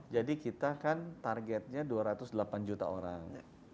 jadi kita kan targetnya dua ratus delapan juta orang